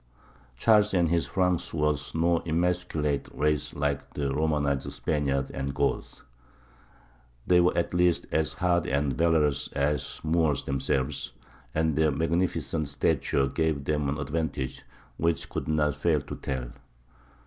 Charles and his Franks were no emasculate race like the Romanized Spaniards and Goths. They were at least as hardy and valorous as the Moors themselves, and their magnificent stature gave them an advantage which could not fail to tell.